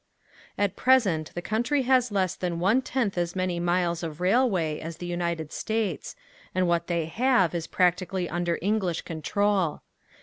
At present the country has less than one tenth as many miles of railway as the United States and what they have is practically under English control.